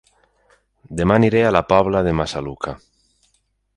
Dema aniré a La Pobla de Massaluca